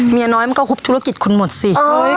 เมียน้อยมันก็ฮุบธุรกิจคุณหมดสิ